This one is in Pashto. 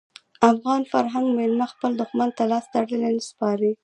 افغان فرهنګ میلمه خپل دښمن ته لاس تړلی نه سپاري.